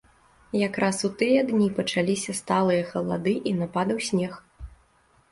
Якраз у тыя дні пачаліся сталыя халады і нападаў снег.